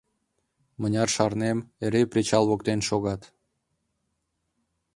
Мыняр шарнем, эре причал воктен шогат.